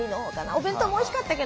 お弁当もおいしかったけど。